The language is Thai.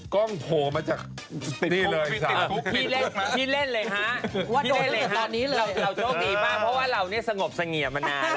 กล้องโทรมาจากปะี่เลย